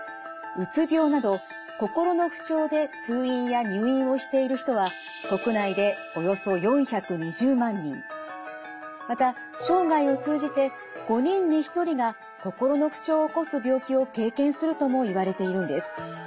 うつ病など心の不調で通院や入院をしている人はまた生涯を通じて５人に１人が心の不調を起こす病気を経験するともいわれているんです。